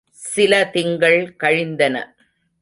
சில திங்கள் கழிந்தன.